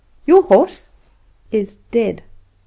"Your horse?" "Is dead."